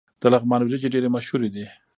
د لغمان وریجې ډیرې مشهورې دي.